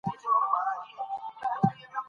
هغه له حلب نه ترکیې ته ولاړ.